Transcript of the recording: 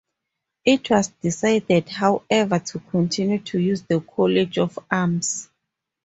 It was decided however to continue to use the College of Arms.